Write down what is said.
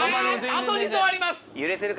あと２投あります。